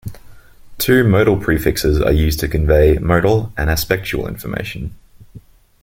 Two modal prefixes are used to convey modal and aspectual information.